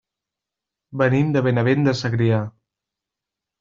Venim de Benavent de Segrià.